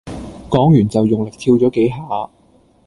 講完就用力跳咗幾下